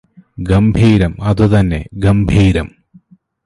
ഗംഭീരം അതുതന്നെ ഗംഭീരം